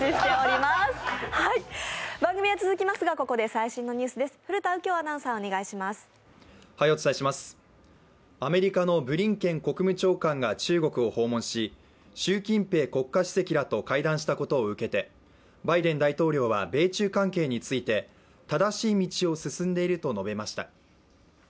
つまらないんですよ、ここがアメリカのブリンケン国務長官が中国を訪問し習近平国家主席らと会談したことを受けてバイデン大統領は、米中関係について正しい道を進んでいると述べました。